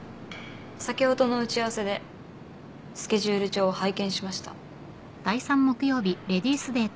さきほどの打ち合わせでスケジュール帳を拝見しました。